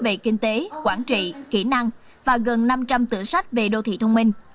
về kinh tế quản trị kỹ năng và gần năm trăm linh tử sách về đô thị thông minh